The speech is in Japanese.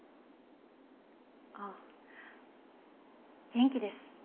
あっ元気です。